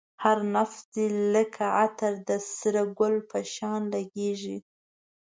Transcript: هر نفس دی لکه عطر د سره گل په شان لگېږی